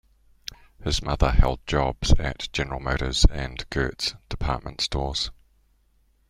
His mother held jobs at General Motors and Gertz department stores.